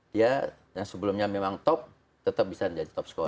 dia yang sebelumnya memang top tetap bisa menjadi top score